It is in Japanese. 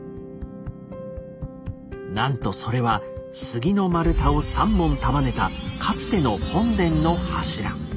なんとそれは杉の丸太を３本束ねたかつての本殿の柱。